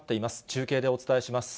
中継でお伝えします。